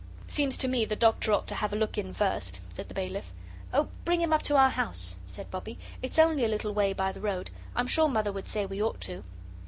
"Seems to me the Doctor ought to have a look in first," said the bailiff. "Oh, bring him up to our house," said Bobbie. "It's only a little way by the road. I'm sure Mother would say we ought to."